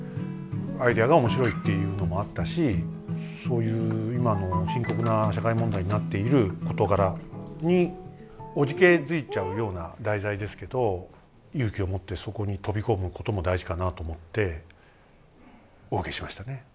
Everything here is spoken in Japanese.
アイデアが面白いっていうのもあったしそういう今の深刻な社会問題になっている事柄におじけづいちゃうような題材ですけど勇気を持ってそこに飛び込むことも大事かなと思ってお受けしましたね。